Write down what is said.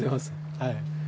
はい。